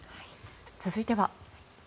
続いては。